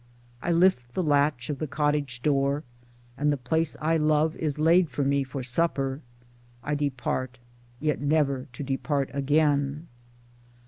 I lift the latch of the cottage door, and the place I love is laid for me for supper ; I depart, yet never to depart again.